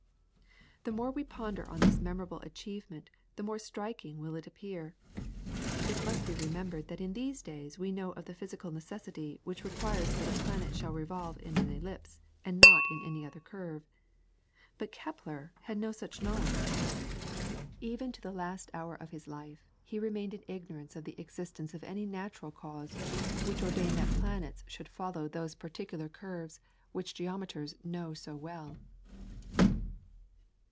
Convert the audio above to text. The more we ponder on this memorable achievement the more striking will it appear. It must be remembered that in these days we know of the physical necessity which requires that a planet shall revolve in an ellipse and not in any other curve. But Kepler had no such knowledge. Even to the last hour of his life he remained in ignorance of the existence of any natural cause which ordained that planets should follow those particular curves which geometers know so well.